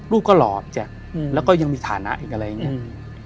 ลูกก็หล่อพี่แจ๊คแล้วก็ยังมีฐานะอีกอะไรอย่างนี้